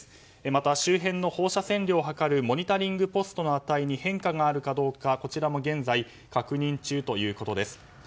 また周辺の放射線量を測るモニタリングポストの値に変化があるかどうかこちらも現在確認中です。